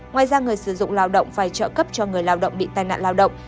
ngoài ra người sử dụng lao động phải trợ cấp cho người lao động bị tai nạn lao động